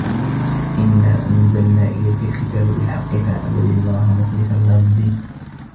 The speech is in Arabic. إِنّا أَنزَلنا إِلَيكَ الكِتابَ بِالحَقِّ فَاعبُدِ اللَّهَ مُخلِصًا لَهُ الدّينَ